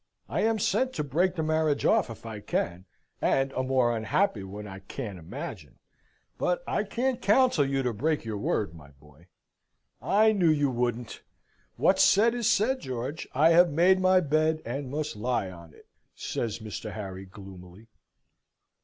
"I am sent to break the marriage off, if I can: and a more unhappy one I can't imagine. But I can't counsel you to break your word, my boy." "I knew you couldn't! What's said is said, George. I have made my bed, and must lie on it," says Mr. Harry, gloomily.